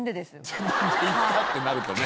自分でいったってなるとね。